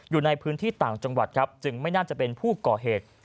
อยู่ในพื้นที่ต่างจังหวัดครับจึงไม่น่าจะเป็นผู้ก่อเหตุ